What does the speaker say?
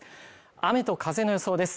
雨と風の予想です